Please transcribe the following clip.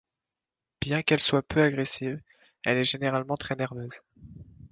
Bien qu'elle soit peu agressive, elle est généralement très nerveuse.